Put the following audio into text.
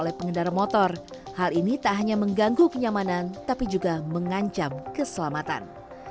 hal ini tak hanya mengganggu kenyamanan tapi juga mengancam keselamatan